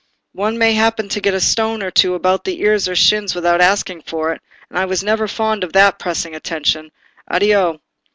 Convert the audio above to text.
One may happen to get a stone or two about one's ears or shins without asking for it, and I was never fond of that pressing attention. Addio."